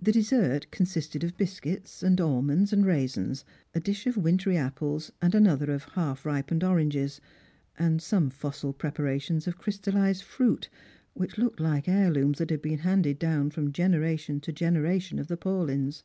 The dessert consisted of biscuits, and almonds and raisins, a dish of wintry apples, and another of half ripened oranges, and some fossil preparations of crystallised fruit, which looked like heir looms that had been handed down from generation to generation of the Paulyns.